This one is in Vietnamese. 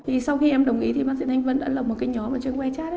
vì sau khi em đồng ý thì bác sĩ thanh vân đã lập một cái nhóm trên wechat